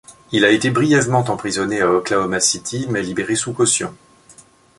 Il a été brièvement emprisonné à Oklahoma City, mais libéré sous caution.